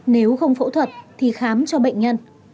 nếu không phẫu thuật thì khám cho bệnh nhân